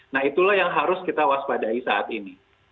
nah itulah yang harus kita waspadai saat ini